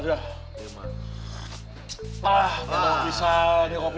terus lah minum aja kok udah di resapi